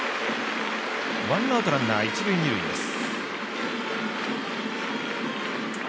ワンアウト、ランナー一塁、二塁です。